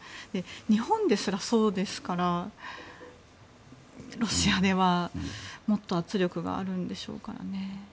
日本ですらそうですからロシアではもっと圧力があるんでしょうからね。